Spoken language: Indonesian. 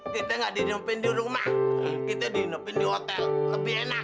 kita nggak diinepin di rumah kita diinnepin di hotel lebih enak